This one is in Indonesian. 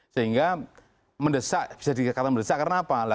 sehingga mendesak bisa dikatakan mendesak karena apa